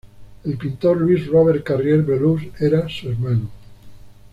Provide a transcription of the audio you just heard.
El pintor Louis-Robert Carrier-Belleuse era su hermano.